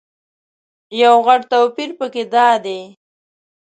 یو غټ توپیر په کې دادی.